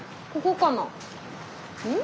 うん？